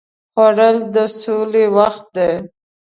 خوړل د سولې وخت دی